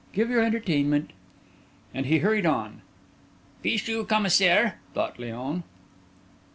Give your entertainment." And he hurried on. "Fichu Commissaire!" thought Léon.